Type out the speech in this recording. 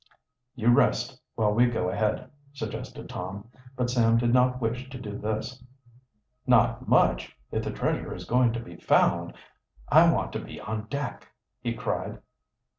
"You rest while we go ahead," suggested Tom, but Sam did not wish to do this. "Not much! If the treasure is going to be found, I want to be on deck!" he cried.